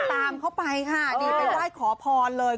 ตามเขาไปค่ะนี่ไปไหว้ขอพรเลย